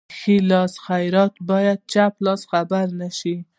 د ښي لاس خیرات باید چپ لاس خبر نشي.